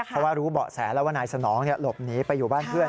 เพราะว่ารู้เบาะแสแล้วว่านายสนองหลบหนีไปอยู่บ้านเพื่อน